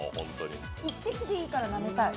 １滴でいいからなめたい。